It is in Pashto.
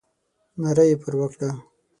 ناره یې پر وکړه.